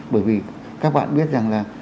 bởi vì các bạn biết rằng là